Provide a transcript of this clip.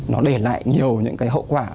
nó để lại nhiều những hậu quả